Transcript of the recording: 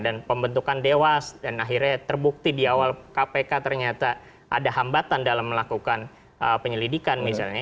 dan pembentukan dewas dan akhirnya terbukti di awal kpk ternyata ada hambatan dalam melakukan penyelidikan misalnya